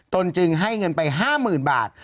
ตนจึงให้เงินไป๕หมื่นบาท